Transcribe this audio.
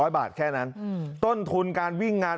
๐บาทแค่นั้นต้นทุนการวิ่งงาน